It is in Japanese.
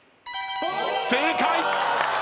正解！